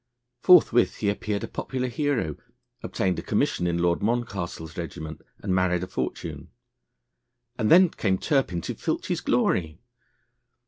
Forthwith he appeared a popular hero, obtained a commission in Lord Moncastle's regiment, and married a fortune. And then came Turpin to filch his glory!